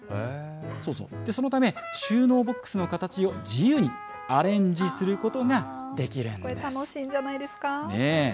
そのため、収納ボックスの形を自由にアレンジすることができるんこれ楽しいんじゃないですか。